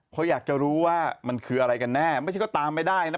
เพราะอยากจะรู้ว่ามันคืออะไรกันแน่ไม่ใช่ก็ตามไม่ได้นะ